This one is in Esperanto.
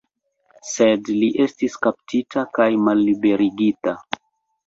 Sed li estis kaptita kaj malliberigita.